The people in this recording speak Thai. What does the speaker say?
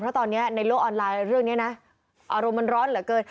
เพราะตอนนี้ในโลกออนไลน์เรื่องนี้นะอารมณ์มันร้อนเหลือเกิน